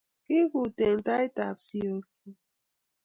Kiguut eng tautab siok chi